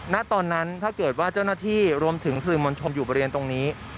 ณตอนนั้นถ้าเกิดว่าเจ้าหน้าที่รวมถึงสื่อมวลชนอยู่บริเวณตรงนี้